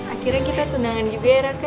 akhirnya kita tunangan juga ya kak